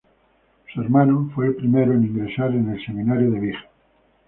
Su hermano, fue el primero en ingresar en el seminario de Vich.